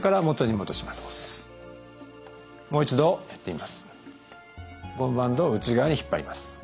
もう一度やってみます。